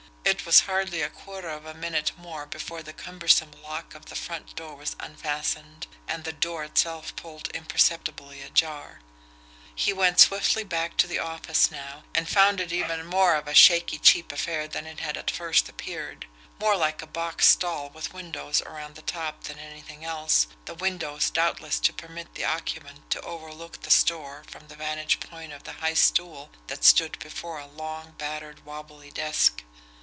It was hardly a quarter of a minute more before the cumbersome lock of the front door was unfastened, and the door itself pulled imperceptibly ajar. He went swiftly back to the office now and found it even more of a shaky, cheap affair than it had at first appeared; more like a box stall with windows around the top than anything else, the windows doubtless to permit the occupant to overlook the store from the vantage point of the high stool that stood before a long, battered, wobbly desk.